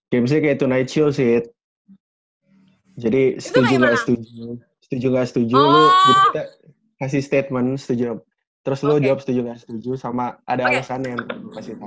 game nya kayak tonight chill sih jadi setuju nggak setuju lo kasih statement setuju nggak setuju terus lo jawab setuju nggak setuju sama ada alasannya yang kasih sita